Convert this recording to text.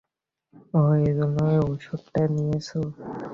ওহ, এজন্যই ওই ওষুধটা নিয়েছে।